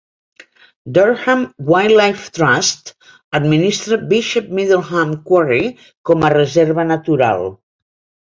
Durham Wildlife Trust administra Bishop Middleham Quarry com a reserva natural.